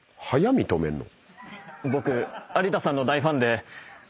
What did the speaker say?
認めんの。